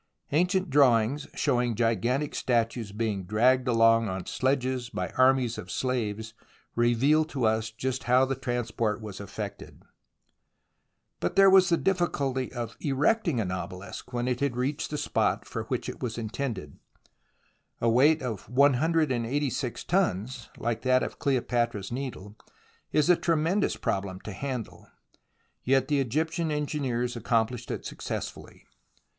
Ancient drawings showing gigantic statues being dragged along on sledges by armies of slaves, reveal to us how the transport was effected. THE ROMANCE OF EXCAVATION 75 But there was the difficulty of erecting an obelisk when it had reached the spot for which it was in tended. A weight of i86 tons, hke that of Cleo patra's Needle, is a tremendous problem to handle, yet the Egyptian engineers accomplished it success fully.